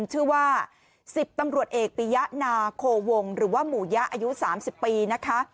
ชื่อว่า๑๐ตำรวจเอกปียะนาโควงหรือว่าหมู่ยะอายุ๓๐ปีนะคะ